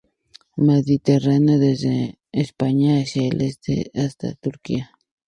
Mediterráneo desde España hacia el este hasta Turquía.